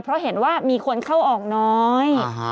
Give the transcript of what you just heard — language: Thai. เพราะเห็นว่ามีคนเข้าออกน้อย